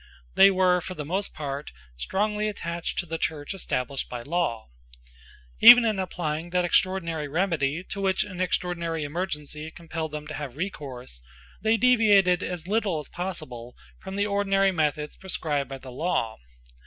They were for the most part strongly attached to the Church established by law. Even in applying that extraordinary remedy to which an extraordinary emergency compelled them to have recourse, they deviated as little as possible from the ordinary methods prescribed by the law.